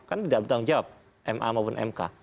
kan tidak bertanggung jawab ma maupun mk